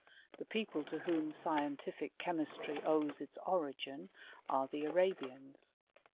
The people tCK whom scientific chemistry owes its origin are the^ Arabians.